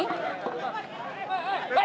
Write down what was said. tidak usah di dekatin